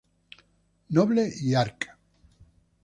Noble y arq.